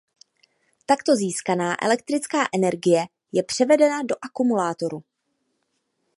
Takto získaná elektrická energie je přivedena do akumulátoru.